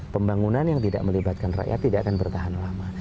pembangunan yang tidak melibatkan rakyat tidak akan bertahan lama